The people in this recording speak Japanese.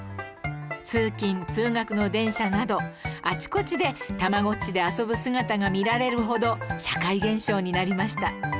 通勤通学の電車などあちこちでたまごっちで遊ぶ姿が見られるほど社会現象になりました